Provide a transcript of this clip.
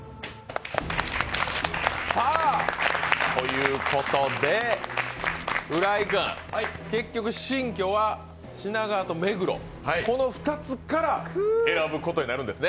さあ、ということで浦井君、結局、新居は品川と目黒、この２つから選ぶことになるんですね？